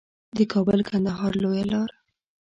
د کابل کندهار لویه لار